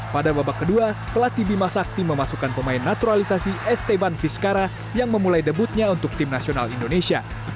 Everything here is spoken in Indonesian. pada babak kedua pelatih bima sakti memasukkan pemain naturalisasi esteban vizcara yang memulai debutnya untuk tim nasional indonesia